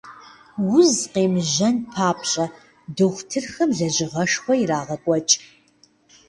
Уз къемыжьэн папщӀэ, дохутырхэм лэжьыгъэшхуэ ирагъэкӀуэкӀ.